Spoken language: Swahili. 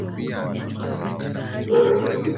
Umeamka saa ngapi?